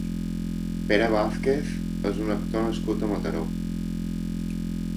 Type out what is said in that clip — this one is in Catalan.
Pere Vàzquez és un actor nascut a Mataró.